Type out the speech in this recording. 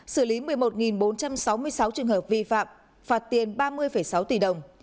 xử lý một mươi một bốn trăm sáu mươi sáu trường hợp vi phạm phạt tiền ba mươi sáu tỷ đồng